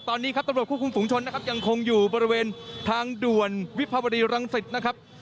ตอนนี้ครับตำรวจควบคุมฝุงชนนะครับยังคงอยู่บริเวณทางด่วนวิภาวดีรังสิตนะครับ